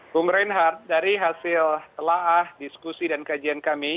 bung reinhardt dari hasil telah diskusi dan kajian kami